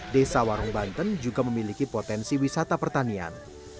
desa warung banten juga memiliki potensi wisata pertanian